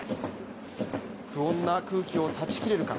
不穏な空気を断ち切れるか。